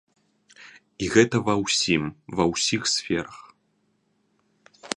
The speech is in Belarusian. І гэта ва ўсім, ва ўсіх сферах.